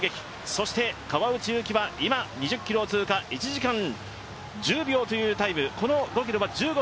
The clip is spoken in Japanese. そして、川内優輝は今２０ｋｍ通過１時間１０秒というタイム。